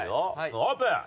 オープン！